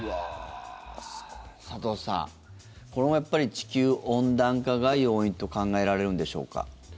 佐藤さん、これもやっぱり地球温暖化が要因と考えられるんでしょうか。